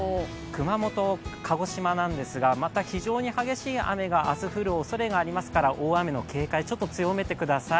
熊本、鹿児島なんですがまた非常に激しい雨が明日降るおそれがありますから、大雨の警戒強めてください。